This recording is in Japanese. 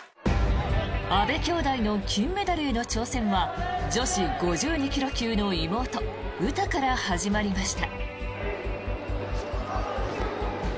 阿部兄妹の金メダルへの挑戦は女子５２ｋｇ級の妹・詩から始まりました。